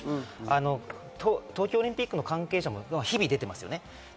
東京オリンピックの関係者も日々出てますね。